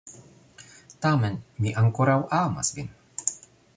Tamen, mi ankoraŭ amas vin.